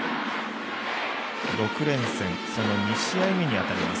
６連戦その２試合目にあたります。